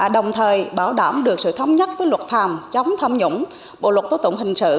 đồng thời bảo đảm được sự thống nhất với luật hàm chống tham nhũng bộ luật tố tụng hình sự